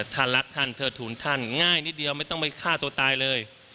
ท่านรักท่านเทิดทูลท่านง่ายนิดเดียวไม่ต้องไปฆ่าตัวตายเลย